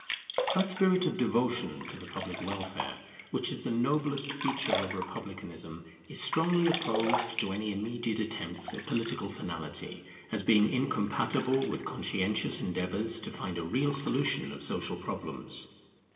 That spirit of devotion to the public welfare, which is the noblest feature of republicanism, is strongly opposed to any immediate attempts at political finality, as being incompatible with conscientious endeavours to find a real solution of social problems.